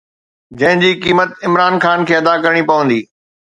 جنهن جي قيمت عمران خان کي ادا ڪرڻي پوندي